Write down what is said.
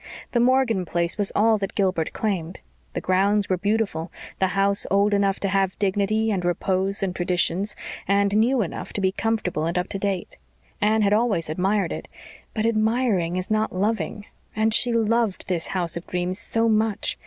The Morgan place was all that Gilbert claimed. The grounds were beautiful, the house old enough to have dignity and repose and traditions, and new enough to be comfortable and up to date. Anne had always admired it; but admiring is not loving; and she loved this house of dreams so much.